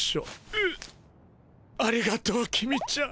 うありがとう公ちゃん。